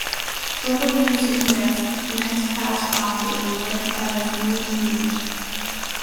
Google News index's next pass found the link as new news.